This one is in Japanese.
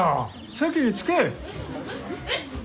席に着け。